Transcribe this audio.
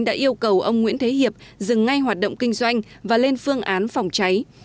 đã yêu cầu ông nguyễn thế hiệp dừng ngay hoạt động kinh doanh và lên phương án phòng cháy